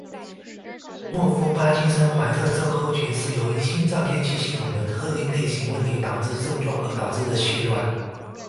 沃夫巴金森怀特症候群是由于心脏电气系统的特定类型问题导致症状而导致的紊乱。